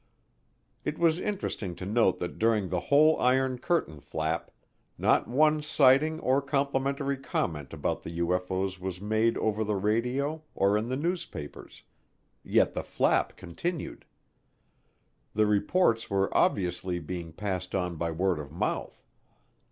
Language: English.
It was interesting to note that during the whole Iron Curtain Flap, not one sighting or complimentary comment about the UFO's was made over the radio or in the newspapers; yet the flap continued. The reports were obviously being passed on by word of mouth.